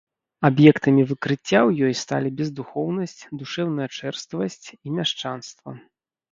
Аб'ектамі выкрыцця ў ёй сталі бездухоўнасць, душэўная чэрствасць і мяшчанства.